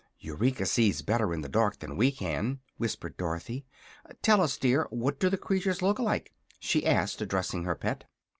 "Eureka sees better in the dark than we can," whispered Dorothy. "Tell us, dear, what do the creatures look like?" she asked, addressing her pet.